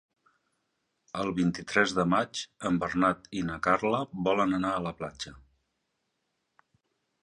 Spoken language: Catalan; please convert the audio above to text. El vint-i-tres de maig en Bernat i na Carla volen anar a la platja.